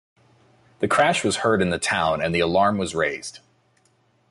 The crash was heard in the town and the alarm was raised.